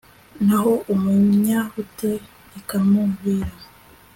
naho umunyabute ikamuvira